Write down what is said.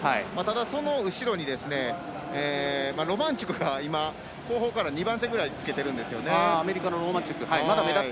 その後ろにローマンチャックが今、後方から２番手ぐらいにつけてるんですよね。